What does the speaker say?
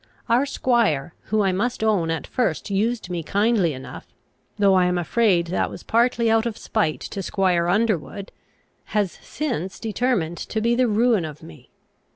Our squire, who I must own at first used me kindly enough, though I am afraid that was partly out of spite to squire Underwood, has since determined to be the ruin of me.